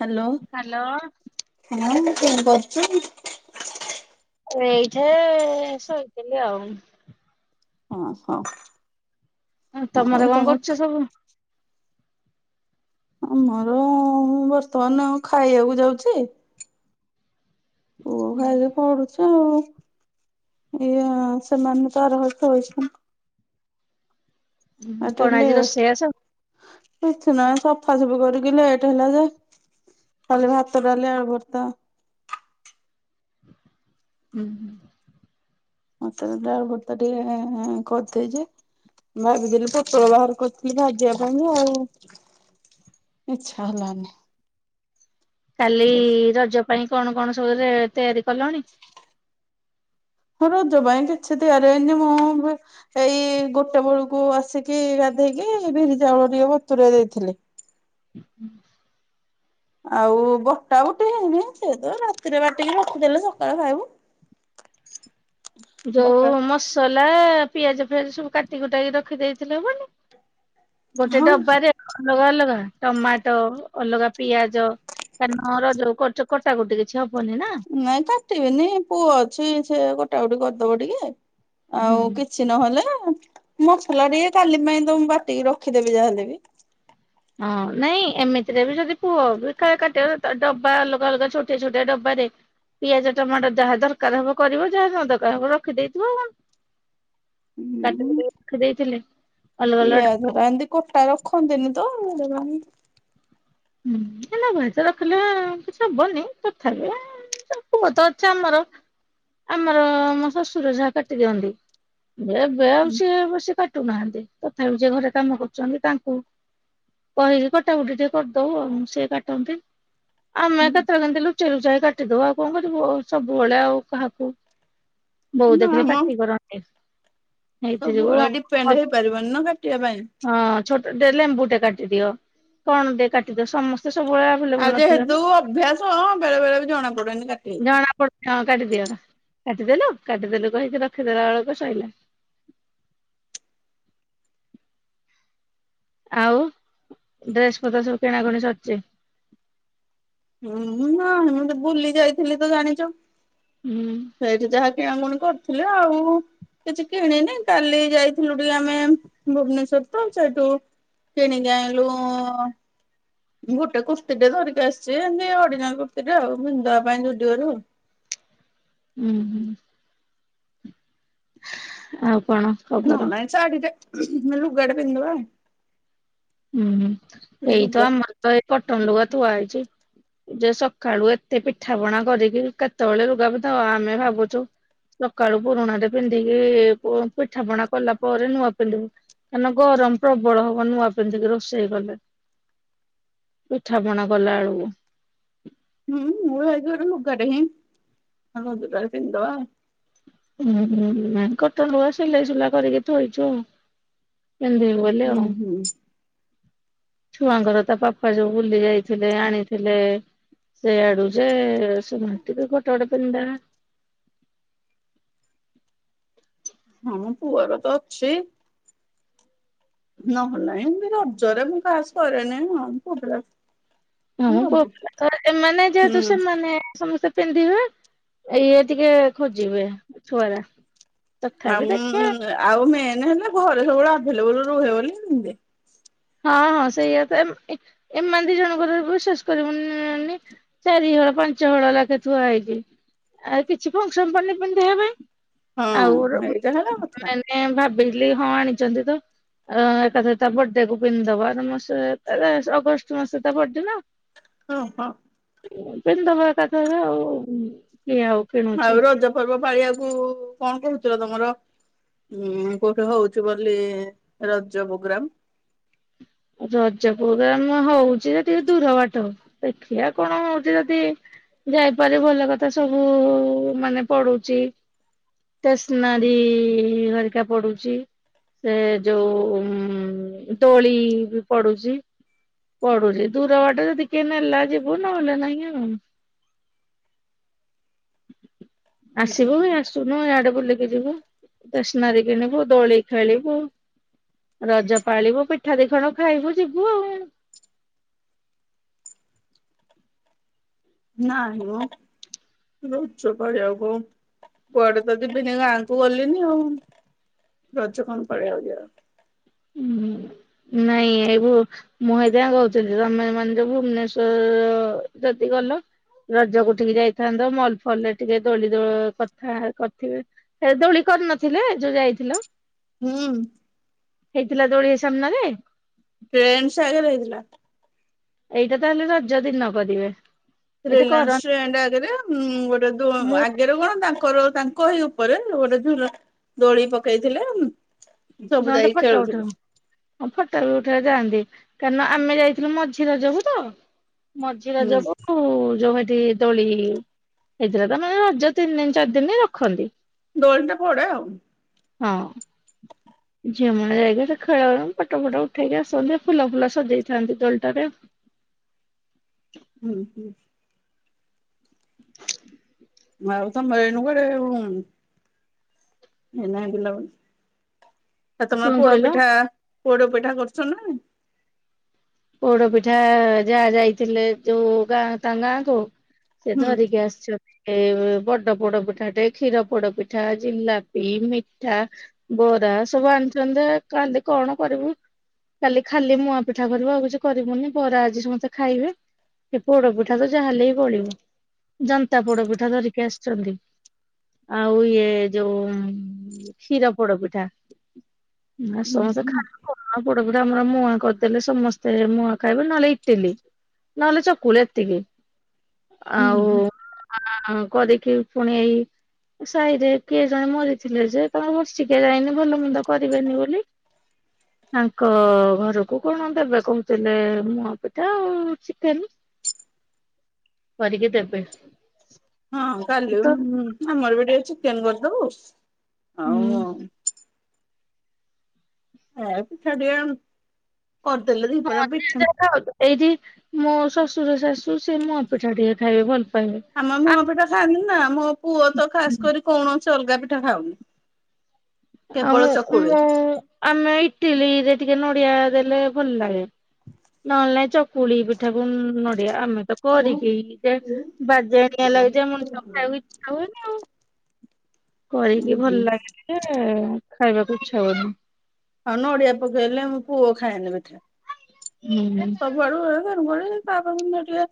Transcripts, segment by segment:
Hello hello. ହ କଣ କରୁଚୁ? ଏଇଠି ଶୋଇଥିଲି ଆଉ। ହଁ, ହଉ। ଆଉ ତମର କଣ କରୁଛ ସବୁ? ଆମର ବର୍ତ୍ତମାନ ମୁଁ ଖାଇବାକୁ ଯାଉଛି ପୁଅ ଖାଇଲେ ପଡୁଛି ଆଉ ଇଏ ସେମାନେ ତ ଆର ଘରେ ସୋଇଛନ୍ତି। [unintelligible] କଣ କିଛି ଆଜି ରୋଷେଇବାସ? ନାହିଁ ସଫାସଫି କରିକି ଲେଟ ହେଲା ଯେ, ଖାଲି ଭାତ, ଡାଲି ଆଳୁ ଭର୍ତ୍ତା। ହୁଁ, ହୁଁ। ଭାତ, ଡାଲି। ଆଳୁ ଭତ୍ତା ଟିକେ କରିଦେଇଛି। ଭାବିଥିଲି ପୋଟଳ ବାହାର କରିଥିଲି ଭାଜିବା ପାଇଁ ଆଉ। ଇଛା ହେଲାନି। କାଲି ରଜ ପାଇଁ କଣ କଣ ସବୁ ତିଆରି କଲଣି? ହ [inaudible] ହଁ ରଜ ପାଇଁ କିଛି ତିଆରି ହେଇନି ମୁଁ ବି ଏଇ ଗୋଟେ ବେଳକୁ ଆସିକି ଗାଧେଇକି ବିରି ଚାଉଳ ଟିକେ ବତୁରେଇ ଦେଇଥିଲି। ହୁଁ [inaudible] ଆଉ ବଟା ବଟା ହେଇନି ସେ ତ ରାତିରେ ବାଟିକି ରଖିଦେଲେ ସକାଳୁ ଖାଇବୁ। ଯଉ ବଟା ମସ୍ ମସଲା ପିଆଜ, ଫିଆଜ ସବୁ କାଟି କୁଟାକି ରଖିଦେଇଥିଲେ ହବନି? ଗୋଟେ ହଁ ଡବାରେ ଅଲଗା, ଅଲଗା ଟମାଟୋ ଅଲଗା, ପିଆଜ କାରଣ ରଜ କଟା କଟି କିଛି ହବନି ନା। ନାଇଁ ବା କାଟିବିନି ପୁଅ ଅଛି ସେ କଟା କଟି କରିଦବ, ଟିକେ ଆଉ କିଛି କିଛି ନହେଲେ ମସଲା ଟିକେ କାଲି ପାଇଁ ତ ମୁଁ ବାଟିକି ରଖିଦବି ଯାହା ହେଲେବି ହଁ ନାଇଁ ଏମିତିରେ ବି ଯଦି ପୁଅ ବି କାଟ ଡବା ଅଲଗା ଅଲଗା ଛୋଟିଆ ଛୋଟିଆ ଡବାରେ ପିଆଜ, ଟମାଟର ଯାହା ଦରକାର ହବ କରିବ ଯାହା ନ ଦରକାର ହବ ରଖିଦେଇଥିବ [unintelligible] କାଟିକୁଟିକି ରଖି ଦେଇେଥିଲେ ପିଆଜ ହରା ଏମିତି କଟା ରଖନ୍ତିନି ତ? ହୁଁ [unintelligible] ରଖିଲେ କିଛି ହବନି ତଥାପି [unintelligible] ଅଛି ଆମର, ଆମର ଆମ ଶଶୁର ଯାହା କାଟି ଦିଅନ୍ତି, ଏବେ ଆଉ ସିଏ ବସି କାଟୁ ନାହାନ୍ତି, ତଥାପି ଯିଏ ଘରେ କାମ କରୁଛନ୍ତି ତାଙ୍କୁ କହିକି କଟାକଟି ଟିକେ କରିଦବୁ ଆଉ ସିଏ କାଟନ୍ତି। ଆମେ କେତେବେଳେ କେମିତି ଲୁଚେଇ, ଲୁଚେଇ କାଟିଦବା ଆଉ କଣ କରିବ ସବୁବେଳେ ଆଉ କାହାକୁ ବୋଉ ନା ଦେଖିଲେ ମ ପାଟି କରନ୍ତି। ହେଇଥି ଯୋଗୁ ସବୁବେଳେ ଆମ ଡିପେଣ୍ଡ ହେଇପାରିବନି ନା କାଟିବା ପାଇଁ। ହଁ ଛୋଟ ଟେ ଲେମ୍ବୁ ଟେ କାଟିଦିଅ, କଣ ଟେ କାଟିଦିଅ, ସମସ୍ତେ ସବୁବେଳେ ଆଭେଲେବୁଲ ଆଉ ନଥିବେ ନା ଯେହେତୁ ଅଭ୍ୟାସ ବେଳେ ବେଳେ ବି ଜଣା ପଡୁନି କାଟି ହେଇଯାଉ ଜଣା ପଡୁନି ହଁ କାଟିଦିଅ, କାଟିଦେଲୁ? କାଟିଦେଲୁ କହିକି ରଖିଦେଲା ବେଳକୁ ସଇଲା। ଆଉ ଡ୍ରେସ ପତ୍ର ସବୁ କିଣାକଣି ସରିଛି? ହୁଁ ନ ମୁତ ବୁଲି ଯାଇଥିଲି ତ ଜାଣିଛ? ହୁଁ ସେଇଠି ଯାହା କିଣା କୁଣି କରିଥିଲି ଆଉ। କିଛି କିଣିନି କାଲି ଯାଇଥିଲୁ ଟିକେ ଆମେ ଭୁବନେଶ୍ଵରତ ସେଇଠୁ କିଣିକି ଆଣିଲୁ ଗୋଟେ କୁର୍ତ୍ୀଟେ ଧରିକି ଆସିଚି ଏମିତି ଅଡ଼ିନାଲ କୁର୍ତ୍ତିୀଟେ ଆଉ ବିନ୍ଧବା ପାଇଁ ଯୁଡିଅରୁ। ଉଁ ହୁଁ ଆଉ କଣ? ଖବର ନହେଲେ ନାଇଁ ସାଢ଼ିଟେ ନହେଲେ ଲୁଗାଟେ ବିନ୍ଦିଦବା ଆଉ। ଉଁ ହୁଁ ଏଇତ ଆମରି ପାଇଁ କଟନ ଲୁଗା ଥୁଆହେଇଚି। ଯେ ସକାଳୁ ଏତେ ପିଠା ପଣା କରିକି କେତେବେଳେ ଲୁଗା ପିନ୍ଦା ଆମେ ଭାବୁଚୁ ସକାଳୁ ପୁରୁଣାଟେ ପିନ୍ଧିକି ପୁ ପିଠା ପଣା କଲା ପରେ ନୂଆ ପିନ୍ଧିବୁ। ହେନ ଗରମ ପ୍ରବଳ ହବ ନୂଆକ୍ ପିନ୍ଦିକି ରୋଷେଇ କଲେ ପିଠା, ପଣା କଲା ଆଳକୁ। ହୁଁ ମୁଁ ହେଇଟୁ ଗୋଟେ ଲୁଗାଟେହିଁ ରଜଟାରେ ପିନ୍ଧିଦବା। ହୁଁ, ହୁଁ ନାଁ ଗୋଟେ ଲୁଗା ସିଲେଇ ସୁଲା କରିକି ଥୋଇଚୁ ଆଉ ପିନ୍ଧିବୁ ବୋଲି। ହୁଁ ଆଉ। ହୁଁ। ଛୁଆଙ୍କର ତାପାପା ଯୋଉ ବୁଲି ଯାଇଥିଲେ ଆଣିଥିଲେ ସେଇଆଡ଼ୁଯେ ସେମାନ୍ତିବି ଗୋଟେ ଗୋଟେ ପିନ୍ଧ୍ଦେବେ। ହଁ ପୁଅରତ ଅଛି। ନହେଲେ ନାଇଁ ଏମିତି ରଜରେ ମୁଁ କାସ୍ କରେନି ଆଉ ପୁଅପିଲା ହୁଁ ପୁଆପିଲା ଥରେ ଏମାନେ ଯେହେତୁ ହୁଁ ସେମାନେ ସମସ୍ତେ ପିନ୍ଧିବେ ଆ ଇଏ ଟିକେ ଖୋଜିବେ ଛୁଆରା। ତଥାପି ଦେଖିବା ମାମୁଁ ଆଉ ମେନ୍ ହେଲା ଘରେ ସବୁବେଳେ ଆଭେଲେବୁଲ ରୁହେବୋଲି ପିନ୍ଧେ। ହଁ ହଁ ସେଇଆତ ଏମାନେ ଦିଜଣଙ୍କର ବିଶ୍ୱାସ କରିବୁନିି ନାନି ଚାରି ହଳ ପାଞ୍ଚ ହଳ ଲେଖା ଥୁଆ ହେଇଚି ଆଉ କିଛି ଫଙ୍କ୍ସନ୍ ପଡ଼ିନେ ପିନ୍ଧିବେ ହଁ ଆଉ ଓର୍ ଏଇଟା ହେଲା କଥା ମେନ୍ ମେ ଭାବିଥିଲି ହଁ ଆଣିଚନ୍ତିତ ଅଁ ଏକାଥରେ ତାବଡ୍ ତାକୁ ପିନ୍ଧିଦବ ଆର ମାସେ ତା ଅଗଷ୍ଟ ମାସେ ତା ବଡେନା। ଓହୋ। ପିନ୍ଧିଦବ କଥାଥରେ ଆଉ କିଏ ଆଉ କିଣୁଛି ଆଉ ରଜ ପର୍ବ ପାଳିବାକୁ କଣ କହୁଥୁଲ ତମର? ହୁଁ କୋଉଠି ହଉଚି ବୋଲି ରଜ ପୋଗ୍ରମ? ରଜ ପୋଗ୍ରାମ ହଉଚିଯେ ଟିକେ ଦୂର ବାଟ ଦେଖିଆ କଣ ହଉଚି ଯଦି ଯାଇପାରେ ଭଲ କଥା ସବୁ ମାନେ ପଢୁଚି ଷ୍ଟେସ୍ନାରୀ ହରିକା ପଡ଼ୁଚି ସେ ଯୋଉ ଉଁ ଦୋଳି ପଡ଼ୁଚି ପଡ଼ୁଚି ଦୂର ବାଟ ଯଦି କିଏ ନେଲା ଯିବୁ ନହେଲେ ନାହିଁ ଆଉ। ଆସିବୁକି ଆସୁନୁ ଇଆଡ଼େ ବୁଲିକି ଯିବୁ ଟେସ୍ନାରୀ କିଣିବୁ ଦୋଳି ଖେଳିବୁ? ରଜ ପାଳିବୁ ପିଠା ଦିଖଣ୍ଡ ଖାଇବୁ ଯିବୁ ଆଉ। ନାଇଁ ମୋ। ରଜ ପାଳିବାକୁ କୁଆଡ଼େତ ଯିବିନି ଗାଁକୁ ଗଲିନି ଆଉ। ରଜ କଣ ପାଳିବାକୁ ଯିବି ଆଉ। ଉଁ ହଁ ନାଇଁ ଏଇବୁ ମୁଁ ହେଇଥିପାଇଁ କହୁଥିଲି ତମେ ମାନେ ସବୁ ଭୁବନେସ୍ୱର୍ ଅ ଯଦି ଗଲ ରଜ କୋଠିକି ଯାଇଥାନ୍ତ ମଲ୍ ଫଲରେ ଟିକେ ଦୋଳି ଦୋଅ କଥା କରିଥିବେ ସେ ଦୋଳି କରିନଥିଲେ ଯୋଉ ଯାଇଥିଲ? ହୁଁ। ହେଇଥିଲା ଦୋଳି ସାମ୍ନାରେ? [unintelligible] ହେଇଥିଲା। ଏଇଟା ତାହେଲେ ରଜ ଦିନ କରିବେ। ଏଇଟା ରିଲାନ୍ସ୍ କର ସ୍ତେଣ୍ଡ ଆଗରେ ଉଁ ଗୋଟେ ଦୋ ମୁଁ ଆଗରେ କଣ ତା ଙ୍କର ତାଙ୍କରି ଉପରେ ଗୋଟେ ଝୁଲ ଦୋଳି ପକେଇଥିଲେ ଉଁ ସବୁ ସମସ୍ତେ ଯାଇ ଫଟୋ ଉଠଉ ଖେଳୁଥିଲୁ। ହଁ ଫଟୋଲ ଉଠାଇ ଯାଆନ୍ତି କାରଣ ଆମେ ଯାଇଥିଲୁ ମଝି ରଜକୁୁତ। ହୁଁ ମଝିରଜକୁ ଉ ଯୋଉ ଏଠି ଦୋଳି, ହେଇଥିଲା ତାମାନେ ରଜ ତିନି ଦିନି ଚାରି ଦିନି ରଖନ୍ତି। ଦୋଳିଟେ ପଡେ ଆଉ। ହଁ। ଝିଅ ମାନେ ଯାଇକି ସେ ଖେଳ ପଟ, ଫଟ ଉଠେଇକି ଆସନ୍ତି। ଫୁଲ, ଫୁଲ ସଜେଇଥାନ୍ତି ଦୋଳିଟାରେ। ହୁଁ ହୁଁ। ଝଂକ୍ ହୁଁ। ଆଉ ତମେ [unintelligible] କୁଆଡେ ଆଉ। ଏ ନାଇଁ ବୁଲାବୁଲି ଆଉ ତମର କଣ କହିଲ ପୋଡପିଠା ପୋଡ ପିଠା କରୁଛ ନା ନାଇଁ। ପୋଡ ପିଠା ଯାହା ଯାଇଥିଲେ ଯୋଉ ଗାଁ ତାଙ୍କ ଗାଁ କୁ। ସେ ହୁଁ ଧରିକି ଆସିଛନ୍ତି। ଏ ବଡ ପୋଡ ପିଠାଟେ କ୍ଷୀର ପୋଡ ପିଠା ଜିଲାପି ମିଠା ବରା ସବୁ ଆଣିଛନ୍ତି ଯେ କାଲି କଣ କରିବୁ। କାଲି ଖାଲି ମୁୂଆ ପିଠା କରିବ ଆଉ ଛି କରିବୁନି ବରା ଆଜି ସମସ୍ତେ ଖାଇବେ ସେ ପୋଡ ପିଠା ତ ଯାହା ହେଲେ ବି ବଳିବ। ଜନ୍ତା ପୋଡପିଠା ଧରିକି ଆସିଛନ୍ତି। ଆଉ ଇଏ ଯୋଉ କ୍ଷୀର ପୋଡ ପିଠା। ନା ହୁଁ ସମସ୍ତେ ହୁଁ ଖାଇ [unintelligible] କଁ ପୋଡ ପିଠା ଆମର ମୁଆଁ କରିଦେଲେ ସମସ୍ ସେ ମୁଁଆଁ ଖାଇବେ ନହେଲେ ଇଟିଲି ନହେଲେ ଚକୁଲ ଏତିକି। ହୁଁ ଆଉ ହୁଁ କ କରିକି ପୁଣି ଏଇ ସାଇରେ କିଏ ଜଣେ ମରିଥିଲେ ଯେ ତାଙ୍କ ବର୍ଷିକିଆ ଯାଇନି ଭଲ ମନ୍ଦ କରିବେନି ବୋଲି ତାଙ୍କ ଘରକୁ କଣ ଦେବା କହୁଥିଲେ ମୁଆଁ ପିଠା ଆଉ ଚିକେନ। କରିକି ଦେବେ। ହଁ କାଲି ତ [unintelligible] ଆମର ବି ଟିକେ ଚିକେନ କରିଦବୁ ହୁଁ ଆଉ ଏ ପିଠା ଦିଆ କରିଦେଲେଣି ହଁ [unintelligible] କଥା ହୋଉଚୁ। ଏଇଠି ମୋ ଶ୍ୱଶୁର ଶାଶୁ ସେ ମୋ ପିଠା ଟିକେ ଖାଇବେ ଭଲ ପାଇବେ। ଆମ ମୁହଁ ପିଠା ଖାଆନ୍ତି ନା ମୋ ପୁଅ ତ ହୁଁ। ଖାସ କରି କୌଣସି ଅଲଗା ପିଠା ଖାଉନି। ଆଉ କେବଳ ଚକୁଳି। ମୁଁ ଆମେ ଇଟିଲୀ ରେ ଟିକେ ନଡିଆ ଦେଲେ ଭଲ ଲାଗେ। ନହେଲେ ନାଇଁ ଚକୁଳି ପିଠା କ ନଡିଆ ଆମେ ତ ଉୁଁ କରିକି ଯେ ହୁଁ ବାଜେଣିଆ ଲାଗୁଚି ମଣିଷ ଖାଇବାକୁ ଇଚ୍ଛା ହୁଏନି ଆଉ। କରିକି ଭଲ ଲାଗେ ଯେ ଖାଇବାକୁ ଇଛା ହୁଏନି। ଆଉ ନଡିଆ ପକେଇଲେ ଆମ ପୁଅ ଖାଏନି ପିଠା ହୁଁ। ସବୁଆଡୁ [unintelligible] କା ପାଖରୁ ନେ ଟିକେ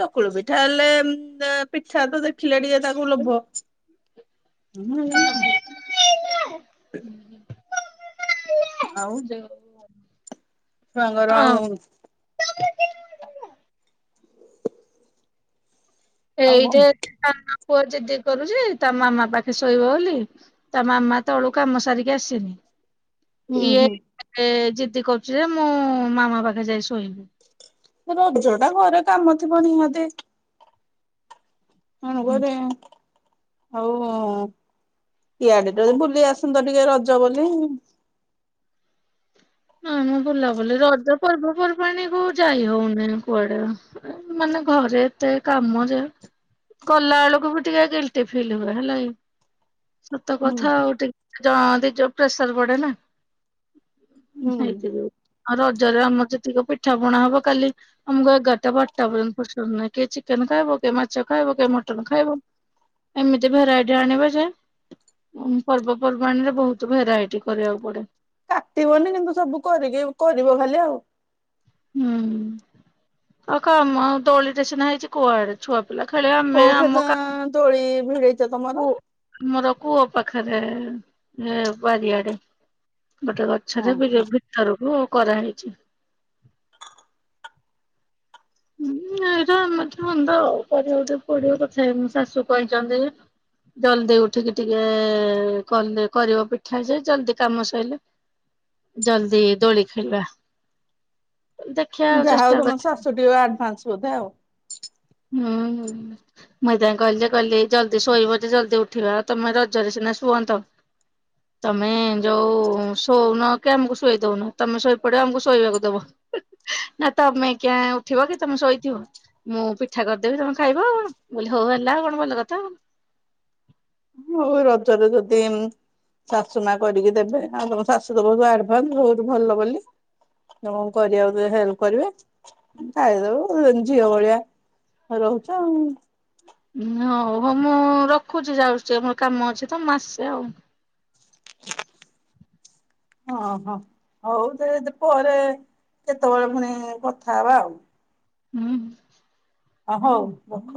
ଚକୁଳ ପିଠା ହେଲେ ଦେ ପିଠା ତ ଦେଖିଲେ ଟିକେ ତାକୁ ଲୋଭ [unintelligible] ଆଉ ଯୋଉ ଛୁଆଙ୍କର ଆଉ ହଁ ଆଉ କଣ ଏଇଠେ ତା ପୁଅ ଯିଦି କରୁଛି ତା ମାମା ପାଖେ ଶୋଇବ ବୋଲି। ତା ମାମା ତଳୁ କାମ ସାରିକି ଆସିନିମ। ହୁଁ ଇଏ ହୁଁ। ଯିଦି କରୁଛି ଯେ ମୁଁ ମାମା ପାଖେ ଯାଇ ଶୋଇବି। ରଜଟା ଘରେ କାମ ଥିବ ନିହାତି। ନଣ ଗଦେ [inaudible] ହଉ ହଉ ଇଆଡେ ଟିକେ ବୁଲି ଆସନ୍ତ ଟିକେ ରଜ ବୋଲି। ନାଇଁମ ବୁଲାବୁଲି ରଜ ପର୍ବପର୍ବାଣିୀକୁ ଯାଇ ହଉନି କୁଆଡେ। ମାନେ ଘରେ ଏତେ କାମଜେ କଲା ଏଳକୁ ବି ଟିକେ ଗିଲଟି ଫିଲ୍ ହୁଏ ହେଲାକି। ସତ ହୁଁ। କଥା ଆଉ ଟିକେ ଜଣ ଦି ଯୋଉ ପ୍ରେସର ପଡେ ନା। ହୁଁ ହେଇଥିପାଇଁ ଆଉ ରଜରେ ଆମର ଯେତିକ ପିଠା ପଣା ହବ କାଲି ଆମକୁ ଏଗାରଟା ବାରଟା ପର୍ଯ୍ୟନ୍ତ ଫୁରସତ ନାଇଁ କିଏ ଚିକେନ ଖାଇବ କିଏ ମାଛ ଖାଇବ କିଏ ମଟନ୍ ଖାଇବ। ଏମିତି ଭେରାଇଟି ଆଣିବେ ଯେ ପର୍ବପର୍ବାଣିରେ ବହୁତ ଭେରାଇଟି କରିବାକୁ ପଡେ। ବନି କିନ୍ତୁ ସବୁ କରିକି କରିବ ଖାଲି ଆଉ। ହୁଁ ଆଉ କାମ ଦୋଳିଟେ ସିନା ହେଇଛି କୁଆଡେ ଛୁଆ ପିଲା ଖେଳିବେ ଆମେ କୋଉଠି ତ ଆମ କା ଦୋଳି ଭିଡିଛ ତମର? ଆମର କୂଅ ପାଖରେ ହେ ବାରିଆଡେ ଗୋଟେ ଗ ପଛରେ ବିଲ ଭିତରକୁ କରାହେଇଛି। ହୁଁ ଏଇରା ଏମିତି ଧନ୍ଦା ଆଉ କରିବାକୁ ଟିକେ ପଡିବ ତଥାପି ଆମ ଶାଶୁ କହିଛନ୍ତି ଜଲ୍ଦି ଉଠିକି ଟିକେ କଲେ କରିବ ପିଠାଜେ ଜଲଦି କାମ ସଇଲେ ଜଲଦି ଦୋଳି ଖେଳିବା। ଦେଖିବା ଆଉ ଚେଷ୍ଟା କର ତୁ ଆଡାନ୍ସ ବୋଧେ ଆଉ। ହୁଁ ହୁଁ। ମୁଁ ହେଇଥିପାଇଁ କହିଲି ଜେ କହିଲି ଜଲଦି ଶୋଇବ ଯେ ଜଲଦି ଉଠିବ ଆଉ ତମେ ରଜରେ ସିନା ଶୁଅନ୍ତ। [inaudible] ତମେ ଯୋଉ ଶୋଉନ କି ଆମକୁ ଶୋଇ ଦଉନ ତମେ ଶୋଇପଡିବ ଆମକୁ ଶୋଇବାକୁ ଦବ। ନା ତମେ କିଆଁ ଉଠିବ କି ତମେ ଶୋଇଥିବ ମୁଁ ପି ପିଠା କରିଦେବି ତମେ ଖାଇବ ଆଉ କଣ ମୁଁ କହିଲି ହଉ ହେଲା ଆଉ କଣ ଭଲ କଥା। ହଉ ରଜରେ ଯଦି ଶାଶୁ ମା କରିକି ଦେବେ ଆଉ ତମ ଶାଶୁ ତ ବହୁ ଆଡଭାନ୍ସ ବହୁତ ଭଲ ବୋଲି ତମକୁ କରିବାକୁ ଦେବେ ହେଲ୍ପ କରିବେ। ଖାଇଦବ ଝିଅ ଭଳିଆ ରହୁଛ ଆଉ। ଉଁ ହଉ ହଉ ମୁଁ ରଖୁଛି ଯାଉଛି ଆମର କାମ ଅଛି ତ ମୁଁ ଆସେ ଆଉ। [inaudible] ଓହୋ ହଉ ଦେ ଦେ ପରେ କେତେବେଳେ ପୁଣି କଥା ହବା ଆଉ। ହୁଁ। ଅ ହଉ ରଖ।